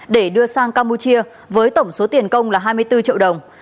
để đưa sang campuchia với tổng số tiền công là hai mươi bốn triệu đồng